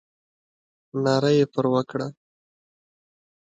ناره یې پر وکړه.